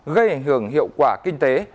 gây ảnh hưởng hiệu quả kinh tế